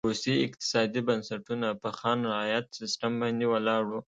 روسي اقتصادي بنسټونه په خان رعیت سیستم باندې ولاړ و.